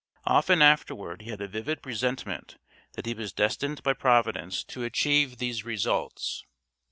Often afterward he had a vivid presentiment that he was destined by Providence to achieve these results.